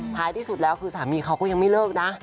ท้ายที่สุดแล้วคือสามีเขาก็ยังไม่เลิกนะ